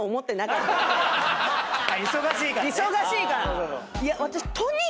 忙しいからね。